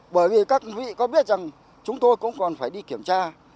bởi vì các vị có biết rằng chúng tôi cũng còn phải đi kiểm tra